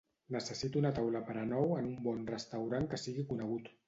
Necessito una taula per a nou en un bon restaurant que sigui conegut